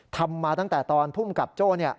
ทำมาตั้งแต่ตอนภูมิกับโจ้